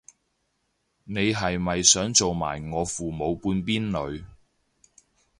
你係咪想做埋我父母半邊女